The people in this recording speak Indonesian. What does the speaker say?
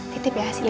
titip ya siti ya